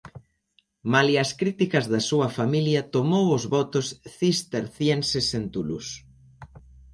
Malia as críticas da súa familia tomou os votos cistercienses en Toulouse.